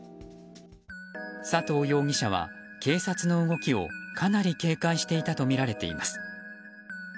佐藤容疑者は、警察の動きをかなり警戒していたとみられています。